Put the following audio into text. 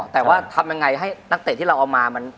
แต่ว่าทำยังไงให้นักเตะที่เราเอามามัน